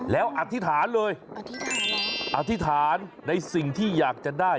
แล้วอธิษฐานเลยอธิษฐานในสิ่งที่อยากจะได้